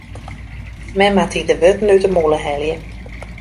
Men moat dy de wurden út 'e mûle helje.